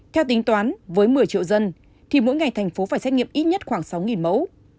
theo tính toán với một mươi triệu dân thì mỗi ngày thành phố phải xét nghiệm ít nhất khoảng sáu mẫu